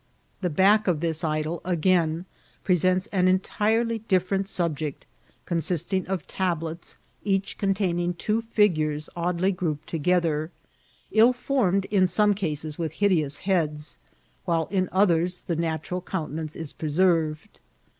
The back of tins idol, again, presents an entirely dif« ferent subject, consisting of tablets, each containing two figures oddly grouped together, ill formed, in some cases with hideous heads, while in others the natural countenance is preserved.